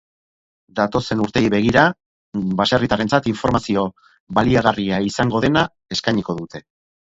Datozen urteei begira, baserritarrentzat informazio baliagarria izango dena eskainiko dute.